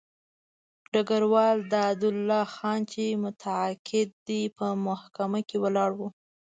ډګروال دادالله خان چې متقاعد دی په محکمه کې ولاړ وو.